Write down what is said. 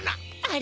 あ。